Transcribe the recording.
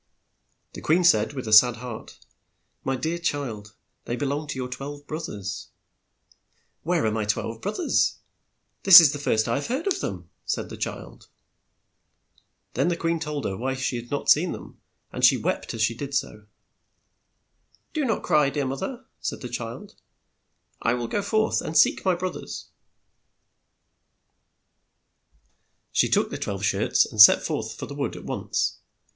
Then the queen said, with a sad heart, "My dear child, they be long to your twelve broth ers." "Where are my twelve brothers? This is the first time I have heard of them," said the child. THE TWELVE BROTHERS 121 ONE DAY THEY SAW A RED FLAG HUNG OUT. Then the queen told her why she had not seen them, and she wept as she did so. "'Do not cry, dear moth er," said the child, "I will go forth and seek my broth ers." 1 22 THE TWELVE BROTHERS She took the twelve shirts and set forth for the wood at once.